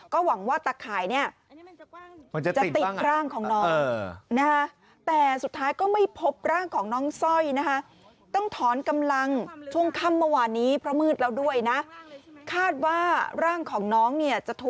ก็หวังว่าตักข่ายเนี่ย